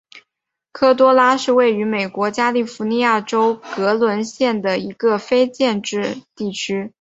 科多拉是位于美国加利福尼亚州格伦县的一个非建制地区。